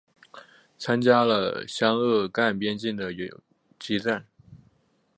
参加了湘鄂赣边区的游击战。